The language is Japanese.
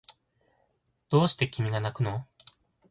どうして君がなくの